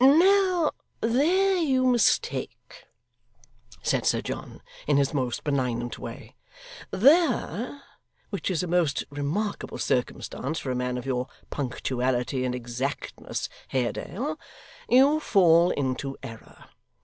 'Now, there you mistake,' said Sir John, in his most benignant way. 'There which is a most remarkable circumstance for a man of your punctuality and exactness, Haredale you fall into error.